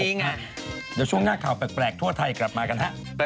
เดี๋ยวช่วงหน้าข่าวแปลกทั่วไทยกลับมากันฮะ